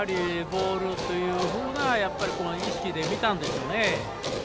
ボールというような意識で見たんでしょうね。